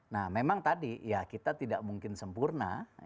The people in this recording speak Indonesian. nah memang tadi ya kita tidak mungkin sempurna